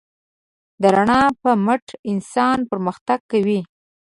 د رڼا په مټ انسان پرمختګ کوي.